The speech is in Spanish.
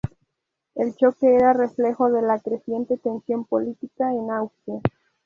El choque era reflejo de la creciente tensión política en Austria.